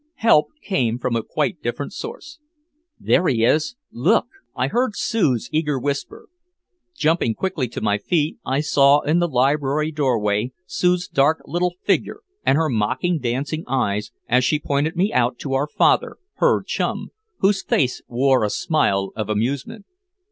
Help came from a quite different source. "There he is! Look!" I heard Sue's eager whisper. Jumping quickly to my feet, I saw in the library doorway Sue's dark little figure and her mocking, dancing eyes as she pointed me out to our father, her chum, whose face wore a smile of amusement.